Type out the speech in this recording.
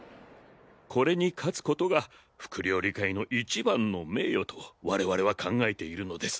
これに勝つことがふく料理界の一番の名誉と我々は考えているのです。